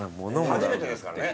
初めてですからね